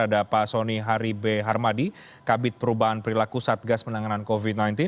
ada pak soni hari b harmadi kabit perubahan perilaku satgas penanganan covid sembilan belas